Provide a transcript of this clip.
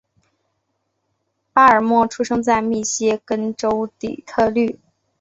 巴尔默出生在密歇根州底特律。